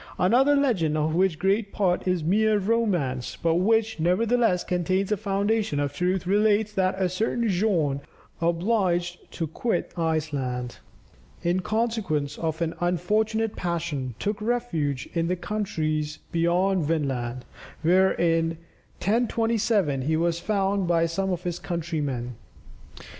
Another legend, of which great part is mere romance, but which nevertheless, contains a foundation of truth, relates that a certain Bjorn, who was obliged to quit Iceland in consequence of an unfortunate passion, took refuge in the countries beyond Vinland, where in 1027, he was found by some of his countrymen.